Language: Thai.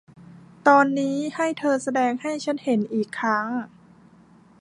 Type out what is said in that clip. ตอนนี้ให้เธอแสดงให้ฉันเห็นอีกครั้ง